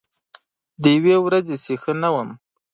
د یوې ورځې چې ښه نه وم